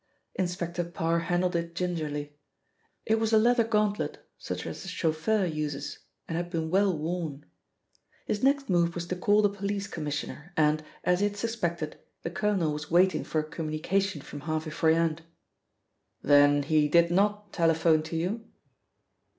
Inspector Parr handled it gingerly. It was a leather gauntlet, such as a chauffeur uses, and had been well worn. His next move was to call the Police Commissioner and, as he had suspected, the colonel was waiting for a communication from Harvey Froyant. "Then he did not telephone to you?"